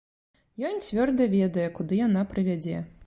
Ён цвёрда ведае, куды яна прывядзе.